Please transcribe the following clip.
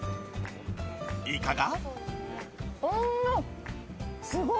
いかが？